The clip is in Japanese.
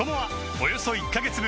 およそ１カ月分